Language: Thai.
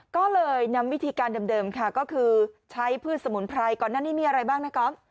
ก็เลยนำวิธีการเดิมค่ะก็คือใช้พืชสมุนไพรก่อนหน้านี้มีอะไรบ้างนะครับ